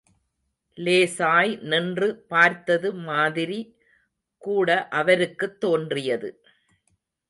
லேசாய் நின்று பார்த்தது மாதிரிகூட அவருக்குத் தோன்றியது.